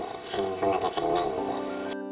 そんなお客さんいないんで。